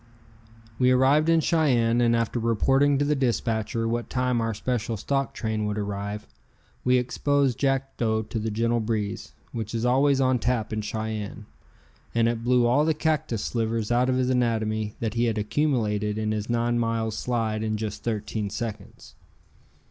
We arrived in Cheyenne, and after reporting to the dispatcher what time our special stock train would arrive, we exposed Jackdo to the gentle breeze, which is always on tap in Cheyenne, and it blew all the cactus slivers out of his anatomy that he had accumulated in his nine miles slide in just thirteen seconds.